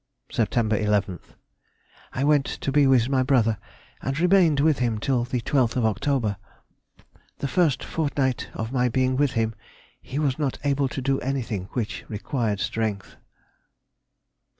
Sept. 11th.—I went to be with my brother, and remained with him till the 12th of October. The first fortnight of my being with him he was not able to do anything which required strength.